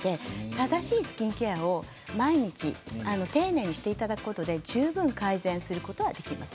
正しいスキンケアを毎日丁寧にしていただくことで十分改善はできます。